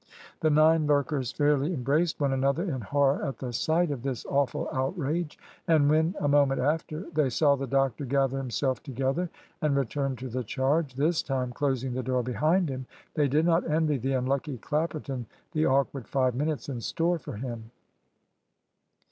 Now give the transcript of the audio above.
The nine lurkers fairly embraced one another in horror at the sight of this awful outrage; and when, a moment after, they saw the doctor gather himself together and return to the charge, this time closing the door behind him, they did not envy the unlucky Clapperton the awkward five minutes in store for him.